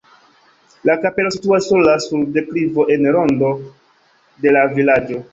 La kapelo situas sola sur deklivo en rando de la vilaĝo.